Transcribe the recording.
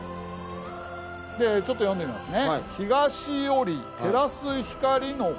ちょっと読んでみますね。